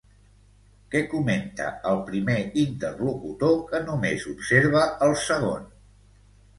Què comenta el primer interlocutor que només observa el segon?